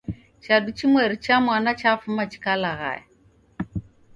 Chadu chimweri cha mwana chafuma chikalaghaya